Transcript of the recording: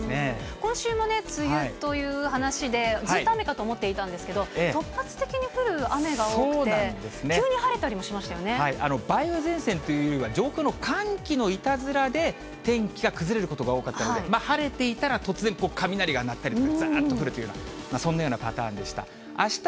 今週も梅雨という話で、ずっと雨かと思っていたんですけれども、突発的に降る雨が多くて、梅雨前線というよりは、上空の寒気のいたずらで天気が崩れることが多かったので、晴れていたら、突然雷が鳴ったりとか、ざーっと降るというような、そんなようなパターンでした。